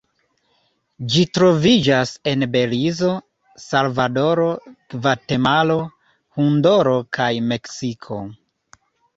Ĝi troviĝas en Belizo, Salvadoro, Gvatemalo, Honduro kaj Meksiko.